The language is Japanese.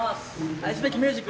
愛すべきミュージック。